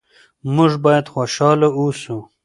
موږ باید خوشحاله اوسو.